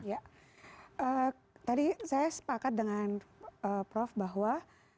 ya tadi saya sepakat dengan prof bahwa